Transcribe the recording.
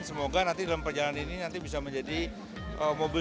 semoga nanti dalam perjalanan ini bisa menjadi mobil listrik